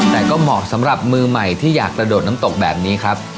แต่ก็เหมาะสำหรับมือใหม่ที่อยากกระโดดน้ำตกแบบนี้ครับ